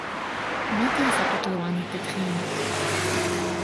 متى ستقلع عن التدخين ؟